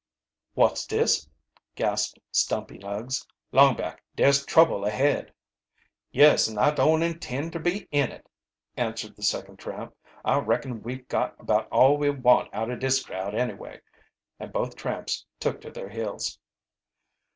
"Wot's dis!" gasped Stumpy Nuggs. "Longback, dare's trouble ahead!" "Yes, an' I don't intend ter be in it!" answered the second tramp. "I reckon we've got about all we want out of dis crowd, anyway!" And both tramps took to their heels.